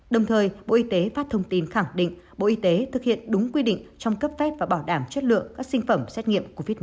đồng thời bộ y tế phát thông tin khẳng định bộ y tế thực hiện đúng quy định trong cấp phép và bảo đảm chất lượng các sinh phẩm xét nghiệm covid một mươi chín